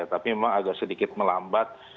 tapi memang agak sedikit melambat